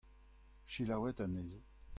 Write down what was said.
Selaouit anezho.